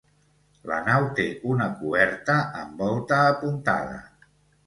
La nau té una coberta amb volta apuntada.